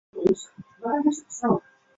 巴黎圣日耳曼是本届的卫冕冠军。